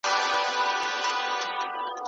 زیات امتیازات کله ناکله ستونزېيجوړوي.